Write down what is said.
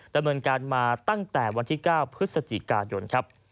ดำเนินการมาตั้งแต่วันที่๙พฤศจิกายนครับ